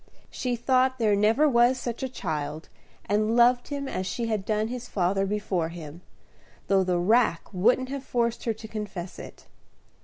She thought there never was such a child, and loved him as she had done his father before him, though the rack wouldn't have forced her to confess it.